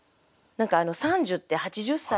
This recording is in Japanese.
何か傘寿って８０歳。